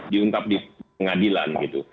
diungkap di pengadilan gitu